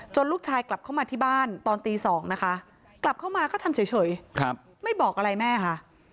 ลูกชายกลับเข้ามาที่บ้านตอนตี๒นะคะกลับเข้ามาก็ทำเฉยไม่บอกอะไรแม่ค่ะ